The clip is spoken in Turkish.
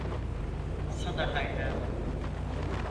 Sana hayranım.